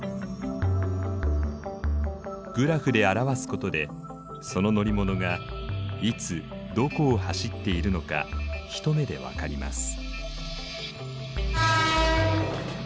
グラフで表すことでその乗り物がいつどこを走っているのか一目でわかります。